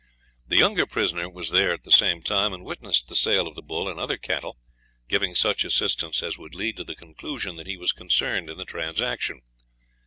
The younger prisoner was there at the same time, and witnessed the sale of the bull and other cattle, giving such assistance as would lead to the conclusion that he was concerned in the transaction.